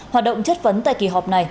hoạt động chất vấn tại kỳ họp này